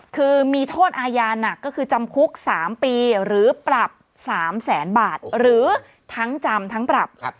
คือมีโทษอาญาหนักก็คือจำคุก๓ปีหรือปรับ๓แสนบาทหรือทั้งจำทั้งปรับ